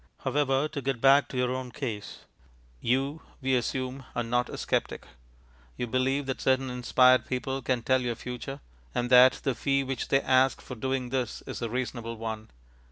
However, to get back to your own case. You, we assume, are not a sceptic. You believe that certain inspired people can tell your future, and that the fee which they ask for doing this is a reasonable one.